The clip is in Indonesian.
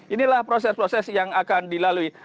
inilah proses proses yang akan dilalui